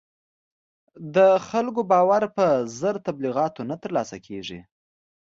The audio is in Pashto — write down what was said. د خلکو باور په زر تبلیغاتو نه تر لاسه کېږي.